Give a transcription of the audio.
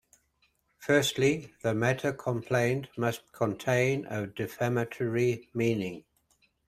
Firstly, the matter complained must contain a defamatory meaning.